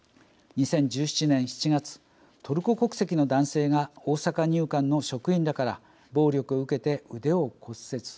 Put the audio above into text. ２０１７年７月、トルコ国籍の男性が大阪入管の職員らから暴力を受けて腕を骨折。